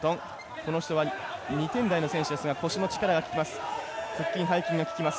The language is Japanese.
この人は２点台の選手ですが腰の力がききます。